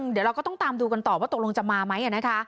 เดี๋ยวเราก็ต้องตามดูกันต่อว่าตกลงจะมาไหมนะคะ